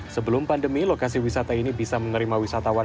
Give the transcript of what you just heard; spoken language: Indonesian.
sebelum pandemi lokasi wisata ini bisa menerima wisatawan